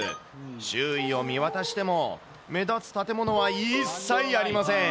周囲を見回しても、目立つ建物は一切ありません。